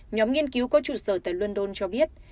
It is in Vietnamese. nhóm nghiên cứu có trụ sở tại london cho biết